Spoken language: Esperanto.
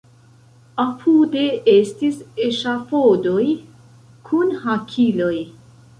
Apude estis eŝafodoj kun hakiloj.